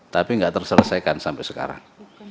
tapi tidak terselesaikan sampai sekarang